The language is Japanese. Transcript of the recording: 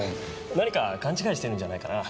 何か勘違いしてるんじゃないかな。